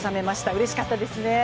うれしかったですね。